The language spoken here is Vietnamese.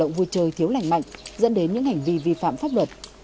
hoạt động vui chơi thiếu lành mạnh dẫn đến những hành vi vi phạm pháp luật